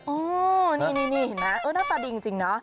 อ้าวนี่นะหน้าตาดีจริงนะ